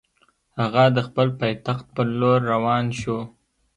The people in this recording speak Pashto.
هغه د خپل پایتخت پر لور روان شو.